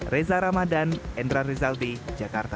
reza ramadan endra rezaldi jakarta